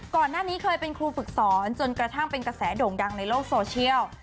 ก่อนหน้านี้เคยเป็นครูฝึกสอนจนกระทั่งเป็นกระแสโด่งดังในโลกโซเชียล